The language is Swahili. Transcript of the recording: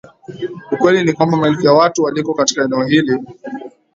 ukweli ni kwamba maelfu ya watu waliko katika eneo hili